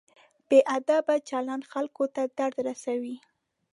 بې ادبه چلند خلکو ته درد رسوي.